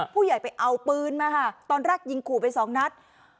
ผู้ใหญ่ไปเอาปืนมาค่ะตอนแรกยิงขู่ไปสองนัด